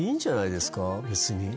別に。